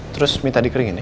terus minta dikeringin ya